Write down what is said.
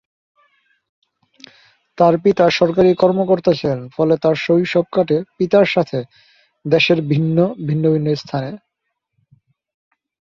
তার পিতা সরকারী কর্মকর্তা ছিলেন ফলে তার শৈশব কাটে পিতার সাথে দেশের বিভিন্ন স্থানে।